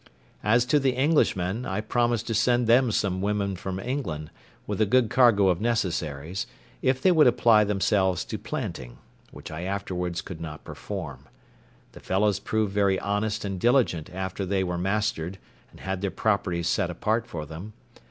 As to the Englishmen, I promised to send them some women from England, with a good cargo of necessaries, if they would apply themselves to planting—which I afterwards could not perform. The fellows proved very honest and diligent after they were mastered and had their properties set apart for them.